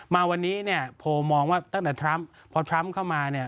มาวันนี้โพลมองว่าตั้งแต่พอทรัมป์เข้ามา